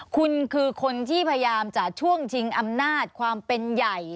คุณคือคนที่พยายามจะช่วงชิงอำนาจความเป็นใหญ่